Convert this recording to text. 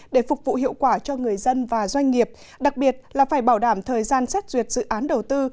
để phục vụ hiệu quả cho người dân và doanh nghiệp đặc biệt là phải bảo đảm thời gian xét duyệt dự án đầu tư